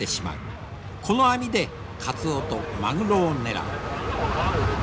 この網でカツオとマグロを狙う。